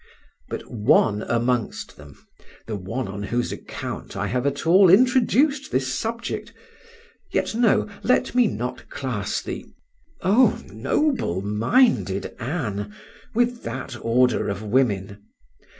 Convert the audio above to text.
But one amongst them, the one on whose account I have at all introduced this subject—yet no! let me not class the, oh! noble minded Ann—with that order of women.